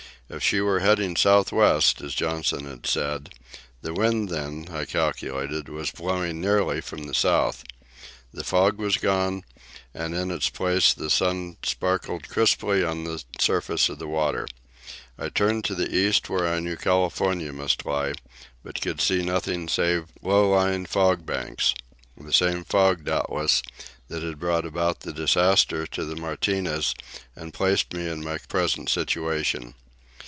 If she were heading south west as Johnson had said, the wind, then, I calculated, was blowing nearly from the south. The fog was gone, and in its place the sun sparkled crisply on the surface of the water. I turned to the east, where I knew California must lie, but could see nothing save low lying fog banks—the same fog, doubtless, that had brought about the disaster to the Martinez and placed me in my present situation.